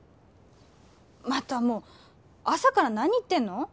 またもう朝から何言ってんの？